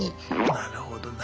なるほどな。